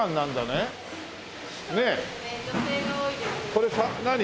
これ何？